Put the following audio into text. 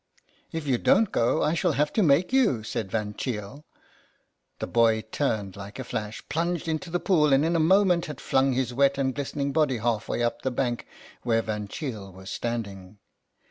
"If you don't go I shall have to make you," said Van Cheele. The boy turned like a flash, plunged into the pool, and in a moment had flung his wet and glistening body half way up the bank where Van Cheele was standing.